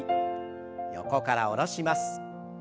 横から下ろします。